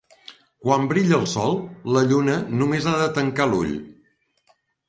Quan brilla el sol, la lluna només ha de tancar l'ull.